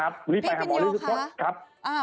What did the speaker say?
พี่ปโยคะ